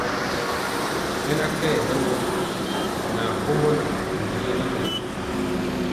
Hɛ na nkye ɓɛɛ wɔ na kolɔ kombɔlɔ luwi yenaŋga.